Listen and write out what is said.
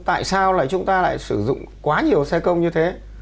tại sao là chúng ta lại sử dụng quá nhiều xe công như thế